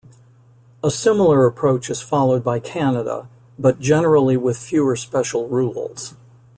A similar approach is followed by Canada, but generally with fewer special rules.